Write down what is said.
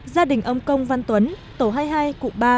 gia đình ông công văn tuấn tổ hai mươi hai cụ ba